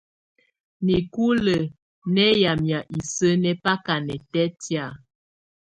Nikulǝ̀ nɛ̀ yamɛ̀á isǝ́ nɛ̀ baka nɛtɛtɛ̀́́á.